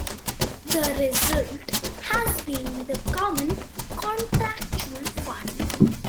The result has been the common contractual fund.